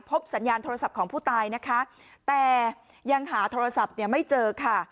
สัญญาณโทรศัพท์ของผู้ตายนะคะแต่ยังหาโทรศัพท์เนี่ยไม่เจอค่ะ